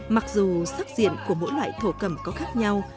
mặc dù sắc diện của mỗi loại thổ cầm có khác nhau